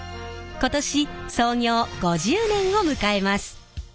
今年創業５０年を迎えます。